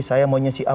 saya mau nyusul